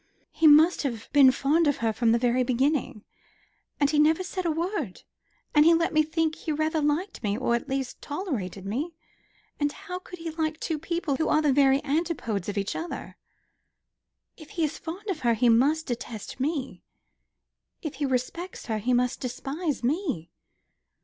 "He must have been fond of her from the very beginning; and he never said a word; and he let me think he rather liked me or at least tolerated me. And how could he like two people who are the very antipodes of each other? If he is fond of her, he must detest me. If he respects her, he must despise me."